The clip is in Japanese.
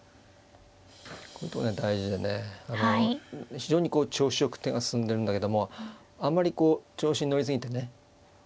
非常にこう調子よく手が進んでるんだけどもあんまりこう調子に乗り過ぎてねえ